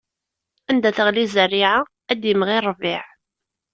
Anda teɣli zzerriɛa, ad d-imɣi ṛṛbiɛ.